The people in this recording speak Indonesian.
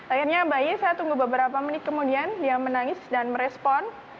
akhirnya bayi saya tunggu beberapa menit kemudian dia menangis dan merespon